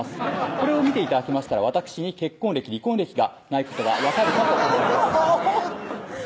「これを見て頂きましたらわたくしに結婚歴・離婚歴がないことは分かるかと思います」